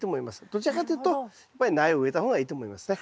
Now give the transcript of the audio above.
どちらかというと苗を植えた方がいいと思いますね。